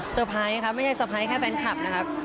เพอร์ไพรส์ครับไม่ใช่เตอร์ไพรส์แค่แฟนคลับนะครับ